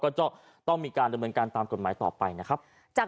ก็จะต้องมีการดำเนินการตามกฎหมายต่อไปนะครับ